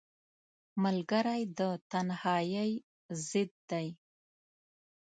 ملګری د تنهایۍ ضد دی